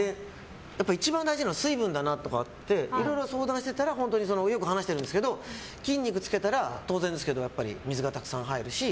一番大事なのは水分だなってなっていろいろ相談していたらよく話しているんですけど筋肉つけたら当然ですけど水がたくさん入るし。